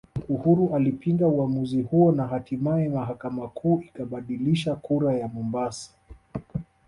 Uhuru alipinga uamuzi huo na hatimaye mahakama kuu ikabatilisha kura ya Mombasa